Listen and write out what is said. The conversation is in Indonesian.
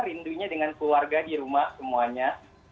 rindunya dengan keluarga di rumah semuanya